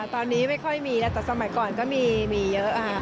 ตอนนี้ไม่ค่อยมีแต่สมัยก่อนก็มีเยอะค่ะ